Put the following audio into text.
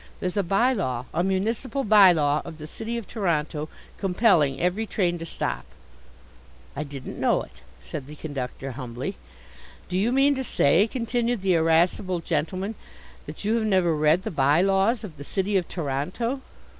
There's a by law, a municipal by law of the City of Toronto, compelling every train to stop?" "I didn't know it," said the conductor humbly. "Do you mean to say," continued the irascible gentleman, "that you have never read the by laws of the City of Toronto?"